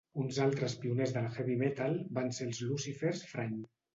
Uns altres pioners del heavy metal van ser els Lucifer's Friend.